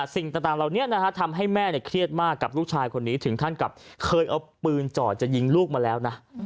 สิ่งต่างเหล่านี้ทำให้แม่เครียดมากกับลูกชายคนนี้ถึงขั้นกับเคยเอาปืนจ่อจะยิงลูกมาแล้วนะ